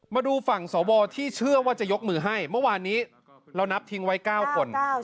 มาดูฝั่งสวที่เชื่อว่าจะยกมือให้เมื่อวานนี้เรานับทิ้งไว้๙คน